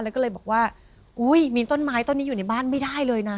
แล้วก็เลยบอกว่าอุ้ยมีต้นไม้ต้นนี้อยู่ในบ้านไม่ได้เลยนะ